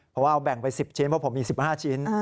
เพราะว่าเอาแบ่งไป๑๐ชิ้นเพราะผมมี๑๕ชิ้น